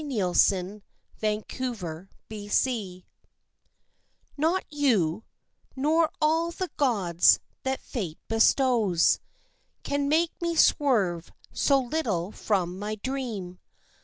XXVIII Amor Mysticus Not you, nor all the gauds that Fate bestows, Can make me swerve so little from my dream.